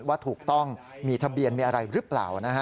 ว่าถูกต้องมีทะเบียนมีอะไรหรือเปล่า